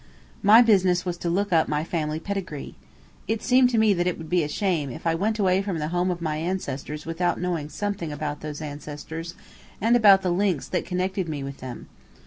My business was to look up my family pedigree. It seemed to me that it would be a shame if I went away from the home of my ancestors without knowing something about those ancestors and about the links that connected me with them.